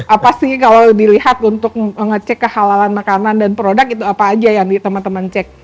apa sih kalau dilihat untuk ngecek kehalalan makanan dan produk itu apa aja yang teman teman cek